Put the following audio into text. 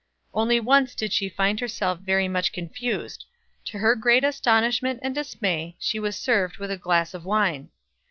Only once did she find herself very much confused; to her great astonishment and dismay she was served with a glass of wine.